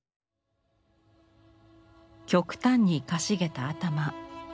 極端にかしげた頭。